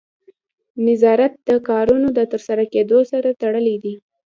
نظارت د کارونو د ترسره کیدو سره تړلی دی.